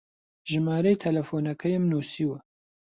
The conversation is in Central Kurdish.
ژمارەی تەلەفۆنەکەیم نووسیوە.